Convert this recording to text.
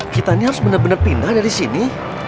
kita ini harus benar benar pindah dari sini